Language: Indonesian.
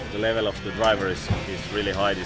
dan level pembalap sangat tinggi tahun ini